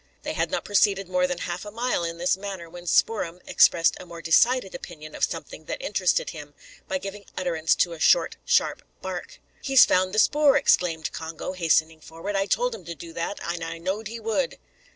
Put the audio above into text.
They had not proceeded more than half a mile in this manner when Spoor'em expressed a more decided opinion of something that interested him, by giving utterance to a short, sharp bark. "He's found the spoor," exclaimed Congo, hastening forward. "I told um do that, and I knowed he would."